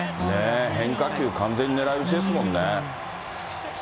変化球、完全に狙い打ちですもんね。